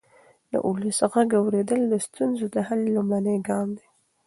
د ولس غږ اورېدل د ستونزو د حل لومړنی ګام دی